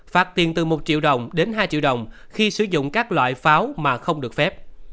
phạt tiền từ một triệu đồng đến hai triệu đồng khi sử dụng các loại pháo mà không được phép